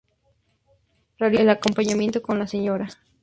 Realizó el acompañamiento con la Sra.